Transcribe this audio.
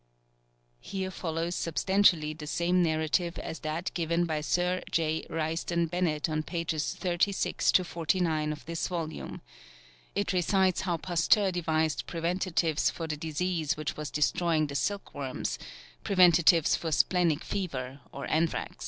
[Here follows substantially the same narrative as that given by Sir J. Risdon Bennett on pages 36 to 49 of this volume. It recites how Pasteur devised preventives for the disease which was destroying the silkworms; preventives for splenic fever or anthrax.